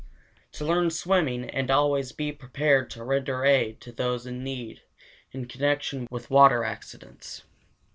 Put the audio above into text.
1. To learn swimming and always "be prepared" to render aid to those in need in connection with water accidents.